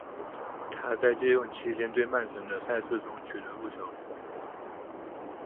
他在借用期间对曼城的赛事中取得入球。